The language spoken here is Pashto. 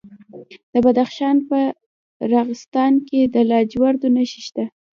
د بدخشان په راغستان کې د لاجوردو نښې شته.